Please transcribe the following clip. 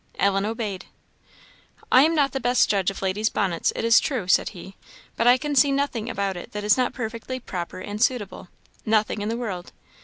Ellen obeyed. "I am not the best judge of ladies' bonnets, it is true," said he, "but I can see nothing about it that is not perfectly proper and suitable nothing in the world.